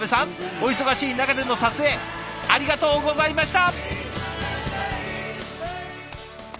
お忙しい中での撮影ありがとうございました！